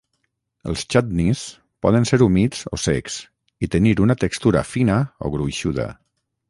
Els chutneys poden ser humits o secs i tenir una textura fina o gruixuda.